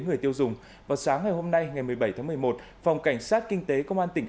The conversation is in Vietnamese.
người tiêu dùng vào sáng ngày hôm nay ngày một mươi bảy tháng một mươi một phòng cảnh sát kinh tế công an tỉnh